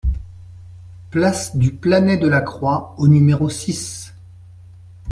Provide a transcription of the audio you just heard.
Place du Planet de la Croix au numéro six